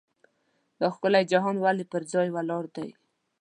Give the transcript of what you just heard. دا ښکلی جهان ولې پر ځای ولاړ دی.